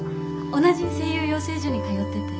同じ声優養成所に通ってて。